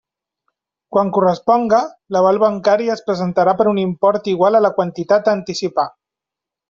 Quan corresponga, l'aval bancari es presentarà per un import igual a la quantitat a anticipar.